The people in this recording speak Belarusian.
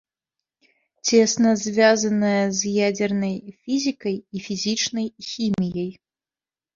Цесна звязаная з ядзернай фізікай і фізічнай хіміяй.